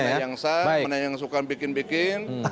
mana yang benar mana yang sah mana yang suka bikin bikin